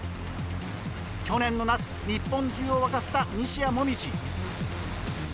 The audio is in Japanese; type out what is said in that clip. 去年の夏日本中を沸かせた西矢椛。